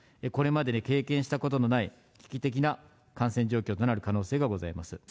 これまでに経験したことのない、危機的な感染状況となる可能性がございます。